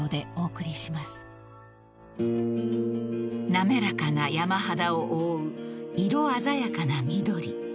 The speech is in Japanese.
［滑らかな山肌を覆う色鮮やかな緑］